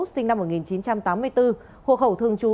sinh năm một nghìn chín trăm tám mươi bốn hộ khẩu thường trú